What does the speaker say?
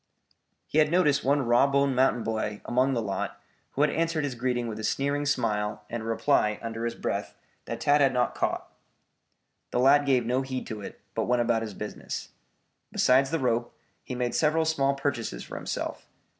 He had noticed one raw boned mountain boy among the lot who had answered his greeting with a sneering smile and a reply under his breath that Tad had not caught. The lad gave no heed to it, but went about his business. Besides the rope, he made several small purchases for himself.